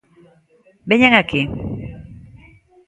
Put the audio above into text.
Veñan aquí.